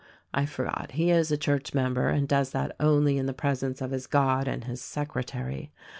I forgot, he is a church member and does that only in the presence of his God and his secretary.